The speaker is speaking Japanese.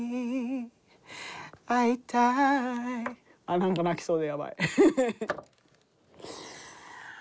何か泣きそうでやばい。